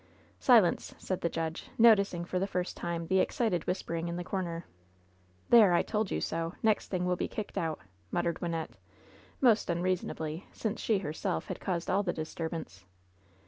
"Silence," said the judge, noticing for the first time the excited whispering in the comer. "There! I told you so! Next thing we'll be kicked out," muttered Wynnette, most unreasonably, since she herself had caused all the disturbance.